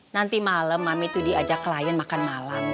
nanti malam mami itu diajak klien makan malam